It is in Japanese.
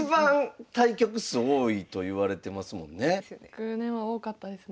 昨年は多かったですね。